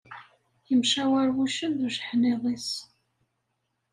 Yemcawaṛ wuccen d ujeḥniḍ-is.